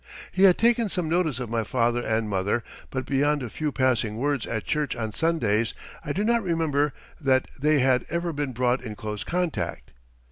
He had taken some notice of my father and mother, but beyond a few passing words at church on Sundays, I do not remember that they had ever been brought in close contact.